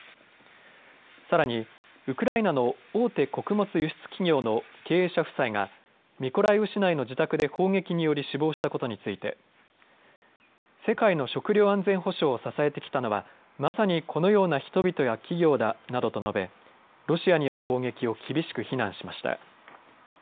さらにウクライナの大手穀物輸出企業の経営者夫妻がミコライウ市内の自宅で砲撃により死亡したことについて世界の食料安全保障を支えてきたのは、まさにこのような人々や企業だなどと述べ、ロシアによる攻撃を厳しく非難しました。